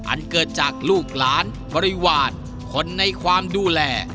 อันเกิดจากลูกหลานบริวารคนในความดูแล